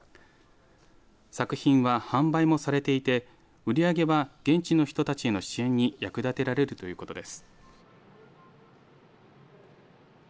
作品は、販売もされていて売り上げは現地の人たちへの支援に役立てられるということです。